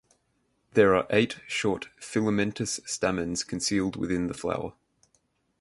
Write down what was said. There are eight short filamentous stamens concealed within the flower.